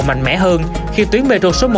mạnh mẽ hơn khi tuyến metro số một